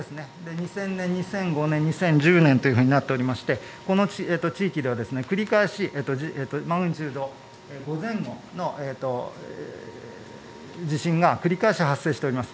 ２０００年、２００５年２０１０年となっていてこの地域では繰り返しマグニチュード５前後の地震が繰り返し発生しています。